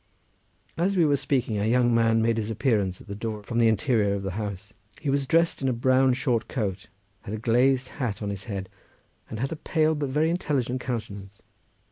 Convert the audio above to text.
As we were speaking a young man made his appearance at the door from the interior of the house. He was dressed in a brown short coat, had a glazed hat on his head, and had a pale but very intelligent countenance.